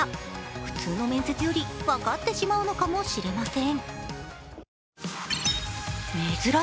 普通の面接より分かってしまうのかもしれません。